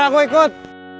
nggak aku ikut